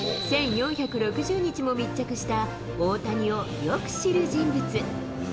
１４６０日も密着した、大谷をよく知る人物。